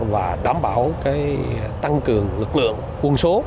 và đảm bảo tăng cường lực lượng quân số